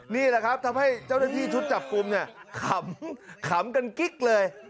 นี่แหละครับทำให้เจ้าพี่ชุดจับกุมขำกันกิ๊กเลย